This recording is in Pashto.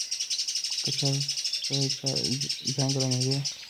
که په چا ځان ګران وي